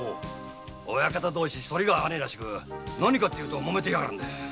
親方同士がソリが合わねえらしく何かというともめやがるんでさ。